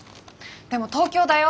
でも東京だよ。